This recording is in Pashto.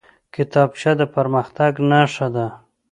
کتابچه د پرمختګ نښه ده